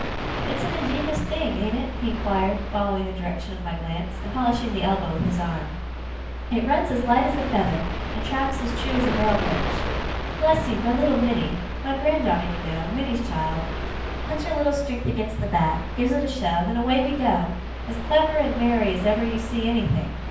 'It's an ingenious thing, ain't it?' he inquired, following the direction of my glance, and polishing the elbow with his arm. 'It runs as light as a feather, and tracks as true as a mail coach. Bless you, my little Minnie my grand daughter you know, Minnie's child puts her little strength against the back, gives it a shove, and away we go, as clever and merry as ever you see anything!